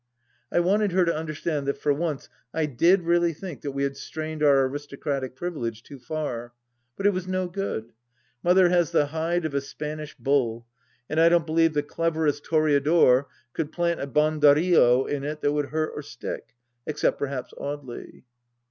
I wanted her to understand, that for once, I did really think that we had strained our aristocratic privilege too far. But it was no good. Mother has the hide of a Spanish bull, and I don't believe the cleverest toreador could plant a banderiUo in it that would stick or hurt, except perhaps Audely.